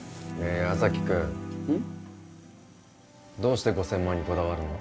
え矢崎くんうん？どうして５０００万にこだわるの？